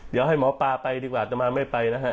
เดี๋ยวให้หมอปลาไปดีกว่าจะมาไม่ไปนะฮะ